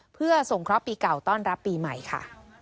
เพื่อส่งเคราะห์ปีเก่าต้อนรับปีใหม่ค่ะ